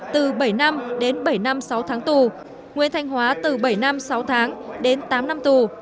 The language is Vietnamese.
từ bảy năm đến bảy năm sáu tháng tù nguyễn thanh hóa từ bảy năm sáu tháng đến tám năm tù